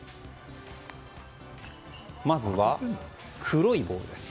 まずは黒いボールです。